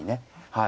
はい。